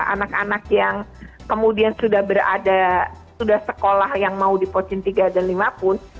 anak anak yang kemudian sudah berada sudah sekolah yang mau di pocin tiga dan lima pun